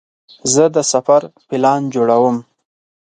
زه د سفر پلان جوړوم.